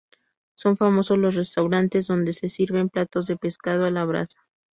Son famosos los restaurantes donde se sirven platos de pescado a la brasa.